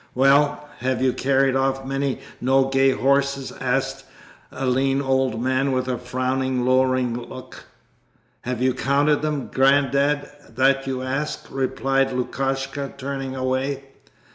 'Well, have you carried off many Nogay horses?' asked a lean old man with a frowning, lowering look. 'Have you counted them, Grandad, that you ask?' replied Lukashka, turning away.